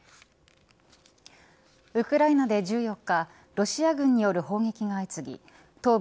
ウクライナで１４日ロシア軍による砲撃が相次ぎ東部